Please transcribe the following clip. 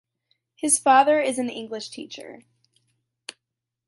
His father is an English teacher.